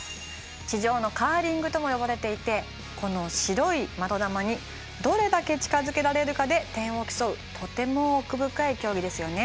地上のカーリングとも呼ばれていてこの白い的球にどれだけ近づけられるかで点を競うとても奥深い競技ですよね。